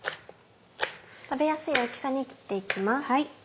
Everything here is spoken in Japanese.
食べやすい大きさに切って行きます。